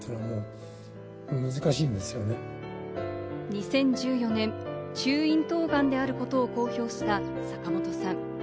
２０１４年、中咽頭がんであることを公表した坂本さん。